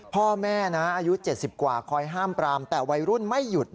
พ่อแม่นะอายุ๗๐กว่าคอยห้ามปรามแต่วัยรุ่นไม่หยุด